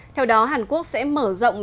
theo đó hàn quốc sẽ mở rộng